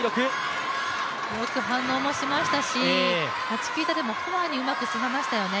よく反応もしましたし、チキータでもフォアにうまく攻めましたよね。